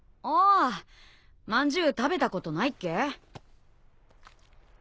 ああまんじゅう食べたことないっけ？